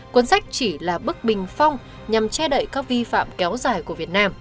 cuốn sách chỉ là bức bình phong nhằm che đậy các vi phạm kéo dài của việt nam